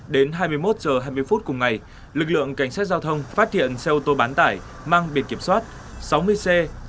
đến hai mươi một h hai mươi phút cùng ngày lực lượng cảnh sát giao thông phát hiện xe ô tô bán tải mang biệt kiểm soát sáu mươi c sáu mươi sáu nghìn bảy trăm sáu mươi